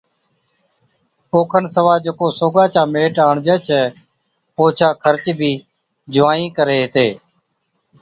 اوکن سِوا جڪو سوگا چا ميٽ آڻجَي ڇَي اوڇا خرچ بِي جُونوائِي (نِياڻي سِياڻي) ڪري ھِتي